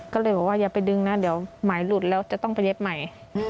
ก็เลยบอกว่าอย่าไปดึงนะเดี๋ยวหมายหลุดแล้วจะต้องไปเย็บใหม่